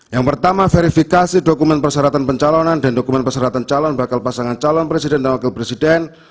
yang pertama verifikasi dokumen persyaratan pencalonan dan dokumen persyaratan calon bakal pasangan calon presiden dan wakil presiden